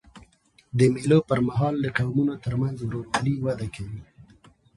د مېلو پر مهال د قومونو ترمنځ ورورولي وده کوي.